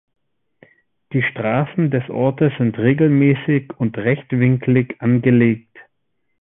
Die Straßen des Ortes sind regelmäßig und rechtwinklig angelegt.